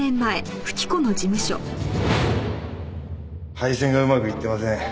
配線がうまくいってません。